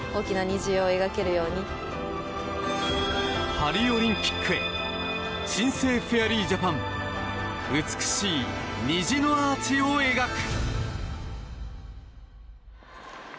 パリオリンピックへ新生フェアリージャパン美しい虹のアーチを描く！